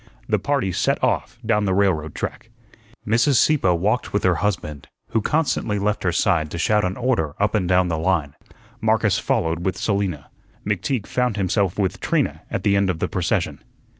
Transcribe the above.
The party set off down the railroad track. Mrs. Sieppe walked with her husband, who constantly left her side to shout an order up and down the line. Marcus followed with Selina. McTeague found himself with Trina at the end of the procession.